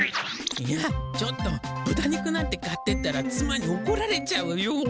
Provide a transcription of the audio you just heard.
いやちょっとぶた肉なんて買ってったらつまにおこられちゃうよ。